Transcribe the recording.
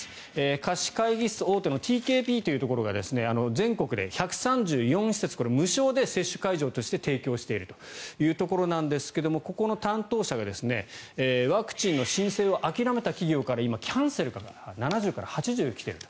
貸し会議室大手のＴＫＰというところが全国で１３４施設無償で接種会場として提供しているというところなんですがここの担当者がワクチンの申請を諦めた企業から今、キャンセルが７０から８０、来ていると。